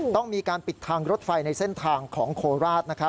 ต้องมีการปิดทางรถไฟในเส้นทางของโคราช